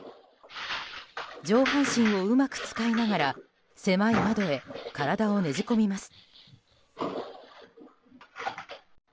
上半身をうまく使いながら狭い窓へ体をねじ込みます。